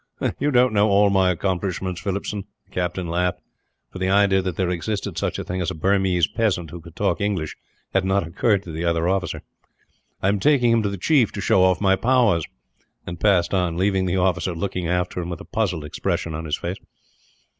"You don't know all my accomplishments, Phillipson," the captain laughed, for the idea that there existed such a thing as a Burmese peasant who could talk English had not occurred to the other. "I am taking him to the chief, to show off my powers;" and passed on, leaving the officer looking after him, with a puzzled expression on his face.